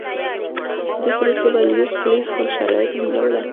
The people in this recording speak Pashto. په دې صورت کې به لیویس پیلي خپل شرایط تحمیلولای.